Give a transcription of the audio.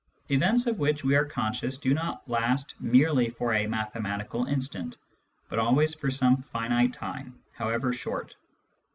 Events of which we are conscious do not last merely for a mathematical instant, but always for some finite time, however short.